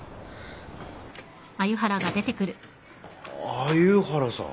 鮎原さん。